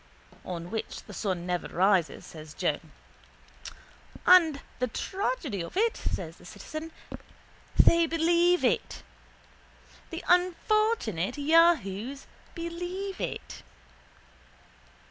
—On which the sun never rises, says Joe. —And the tragedy of it is, says the citizen, they believe it. The unfortunate yahoos believe it.